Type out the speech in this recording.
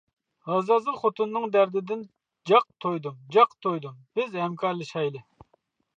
ھازازۇل خوتۇننىڭ دەردىدىن جاق تويدۇم، جاق تويدۇم. بىز ھەمكارلىشايلى.